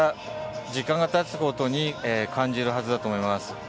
大きな差を、これから時間が経つごとに感じるはずだと思います。